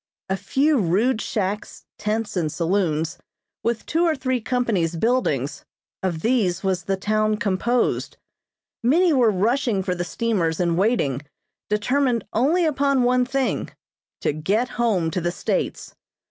A few rude shacks, tents and saloons, with two or three companies' buildings of these was the town composed. Many were rushing for the steamers in waiting, determined only upon one thing to get home to the States.